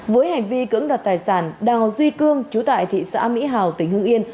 với hành vi cưỡng đoạt tài sản đào duy cương chú tại thị xã mỹ hào tỉnh hưng yên